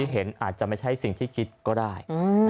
เห็นอาจจะไม่ใช่สิ่งที่คิดก็ได้